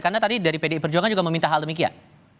karena tadi dari pdi perjuangan juga meminta hal demikian